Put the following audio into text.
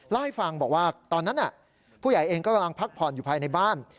เล่าให้ฟังบอกว่าตอนนั้นผู้ใหญ่เองก็กำลังพักผ่อนอยู่ภายในบ้าน